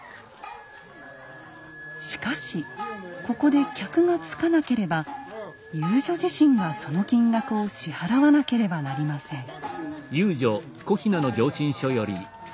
しかしここで客がつかなければ遊女自身がその金額を支払わなければなりません。